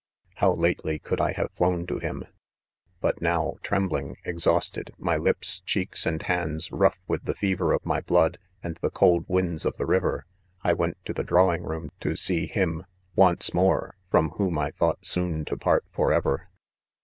How lately could I have ilown to him ! But now trembling", exhausted, my lips, cheeks and hands, rough with the fever of my blood ? and the cold winds of the river, I went to the drawing room to see him, once more, frdin, whom I thought soon to part forever.